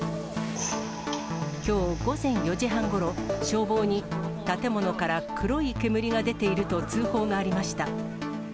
きょう午前４時半ごろ、消防に、建物から黒い煙が出ていると通報がありました。